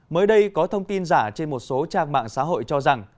mới đây có thông tin giả trên một số trang mạng xã hội cho rằng